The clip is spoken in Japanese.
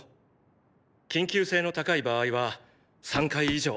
緊急性の高い場合は３回以上。